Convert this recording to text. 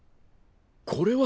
これは！